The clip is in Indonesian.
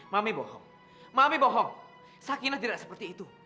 mami bohong mami bohong sakinah tidak seperti itu